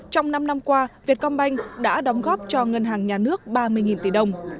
trong năm năm qua vietcombank đã đóng góp cho ngân hàng nhà nước ba mươi tỷ đồng